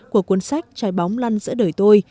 của cuốn sách trái bóng lăn giữa đời tôi